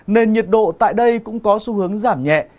nên nhiệt độ tại đây cũng có xu hướng giảm nhẹ